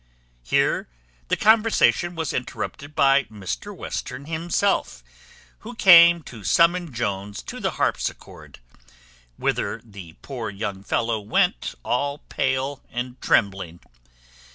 Here the conversation was interrupted by Mr Western himself, who came to summon Jones to the harpsichord; whither the poor young fellow went all pale and trembling.